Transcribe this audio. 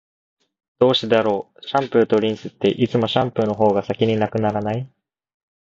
どうしてだろう、シャンプーとリンスって、いつもシャンプーの方が先に無くならない？